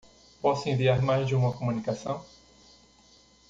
Posso enviar mais de uma comunicação?